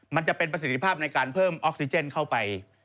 มันจะเป็นประสิทธิภาพในการเพิ่มออกซิเจนเข้าไป